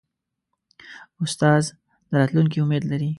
استاد د راتلونکي امید لري.